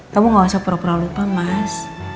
kamu gak usah pura pura lupa mas